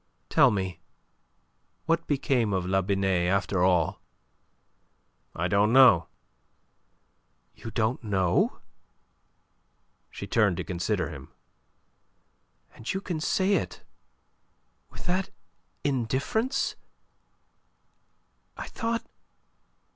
Tell me; what became of La Binet after all?" "I don't know." "You don't know?" She turned to consider him. "And you can say it with that indifference! I thought...